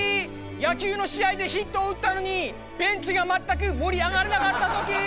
野球の試合でヒットを打ったのにベンチが全く盛り上がらなかったときー！